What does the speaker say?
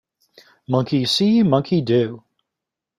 Monkey see Monkey do.